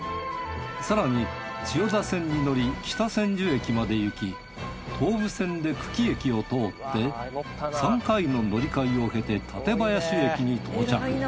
更に千代田線に乗り北千住駅まで行き東武線で久喜駅を通って３回の乗り換えを経て館林駅に到着。